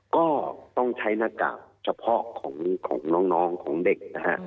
ก็ต้องใช้หน้ากากเฉพาะของน้องของเด็กนะฮะ